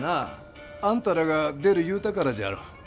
あんたらが出る言うたからじゃろ。